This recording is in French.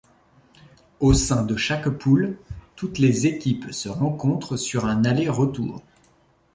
Au sein de chaque poule, toutes les équipes se rencontrent sur un aller-retour.